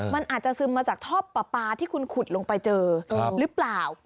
มันอาจจะซึมมาจากท่อปลาปลาที่คุณขุดลงไปเจอหรือเปล่า